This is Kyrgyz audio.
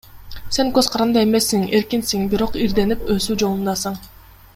Сен көз каранды эмессиң, эркинсиң, бирок ирденип, өсүү жолундасың.